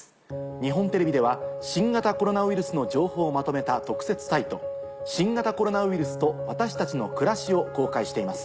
日本テレビでは新型コロナウイルスの情報をまとめた特設サイト。を公開しています。